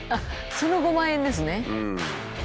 その５万円ですね。